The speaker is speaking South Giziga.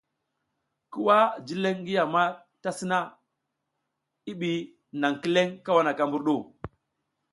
Ki wah jileƞ ngi yam a ta sina, i ɓi naƞ jileƞ kawaka mbur ɗu.